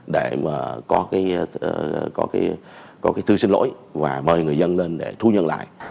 để mà có cái thư xin lỗi và mời người dân lên để thu nhân lại